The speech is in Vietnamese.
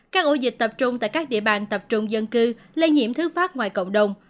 các ổ dịch tập trung tại các địa bàn tập trung dân cư lây nhiễm thứ phát ngoài cộng đồng